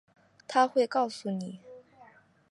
她会告诉你